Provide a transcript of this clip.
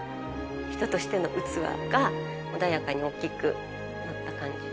人としての器が穏やかに大きくなった感じ。